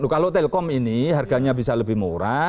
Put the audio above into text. kalau telkom ini harganya bisa lebih murah